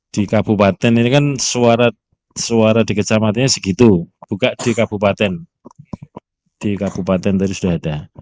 di kabupaten kan suara suara di kecamatnya segitu buka di kabupaten di kabupaten ada